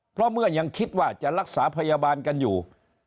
เพราะเมื่อยังคิดว่าจะรักษาพยาบาลกันอยู่